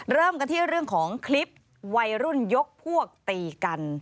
เริ่มกันที่เรื่องของคลิปวัยรุ่นยกพวกตีกัน